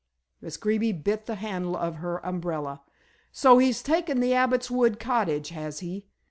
Miss Greeby bit the handle of her umbrella. "So he's taken the Abbot's Wood Cottage, has he?